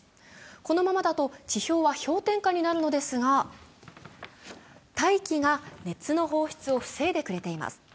このままだと地表は氷点下になるのですが、大気が熱の放出を防いでくれています。